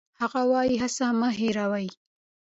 هغه وايي، هڅه مه هېروئ.